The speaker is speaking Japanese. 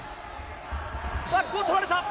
バックを取られた。